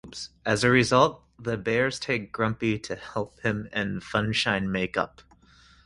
As a result, the Bears take Grumpy to help him and Funshine make up.